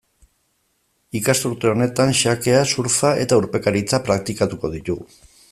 Ikasturte honetan xakea, surfa eta urpekaritza praktikatuko ditugu.